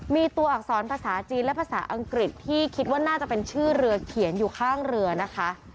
มีตัวอักษรภาษาจีนและภาษาอังกฤษที่คิดว่าน่าจะเป็นชื่อเรือเขียนอยู่ข้างเรือนะคะ